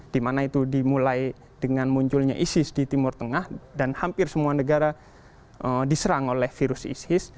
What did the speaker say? di mana itu dimulai dengan munculnya isis di timur tengah dan hampir semua negara diserang oleh virus isis